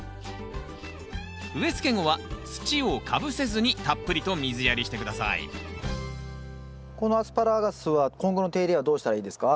植えつけ後は土をかぶせずにたっぷりと水やりして下さいこのアスパラガスは今後の手入れはどうしたらいいですか？